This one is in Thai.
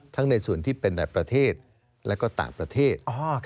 ในส่วนที่เป็นในประเทศและก็ต่างประเทศ